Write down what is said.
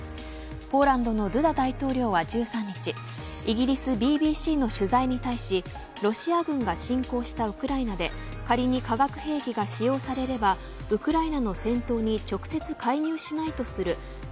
ポーランドのドゥダ大統領は１３日イギリスＢＢＣの取材に対しロシア軍が侵攻したウクライナで仮に化学兵器が使用されればウクライナの戦闘に直接介入しないとするＮＡＴＯ